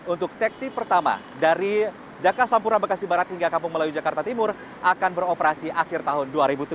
untuk seksi pertama dari jaka sampurna bekasi barat hingga kampung melayu jakarta timur akan beroperasi akhir tahun dua ribu tujuh belas